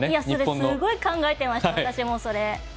私もすごい考えてました。